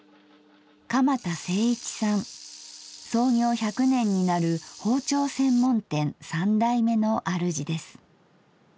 創業１００年になる包丁専門店三代目の主です。